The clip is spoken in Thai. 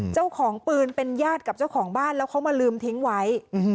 เจ้าของปืนเป็นญาติกับเจ้าของบ้านแล้วเขามาลืมทิ้งไว้